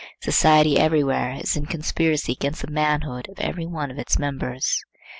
Society everywhere is in conspiracy against the manhood of every one of its members.